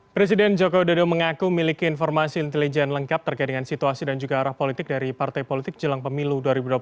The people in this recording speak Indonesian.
presiden joko widodo mengaku miliki informasi intelijen lengkap terkait dengan situasi dan juga arah politik dari partai politik jelang pemilu dua ribu dua puluh empat